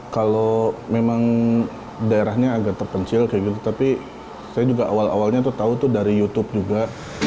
kalau memang daerahnya agak terpencil kayak gitu tapi saya juga awal awalnya tuh tahu tuh dari youtube juga